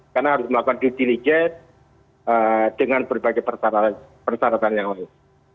karena harus melakukan diri diri dengan berbagai persyaratan yang lain